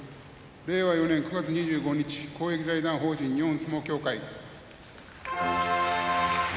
令和４年９月２５日公益財団法人日本相撲協会